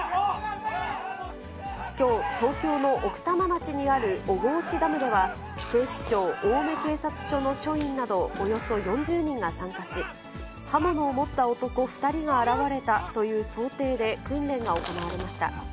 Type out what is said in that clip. きょう、東京の奥多摩町にある小河内ダムでは、警視庁青梅警察署の署員など、およそ４０人が参加し、刃物を持った男２人が現れたという想定で訓練が行われました。